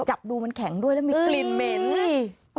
จับดูมันแข็งด้วยแล้วมีกลิ่นเหม็น